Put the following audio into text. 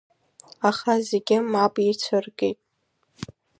Аха зегьы мап ицәыркит.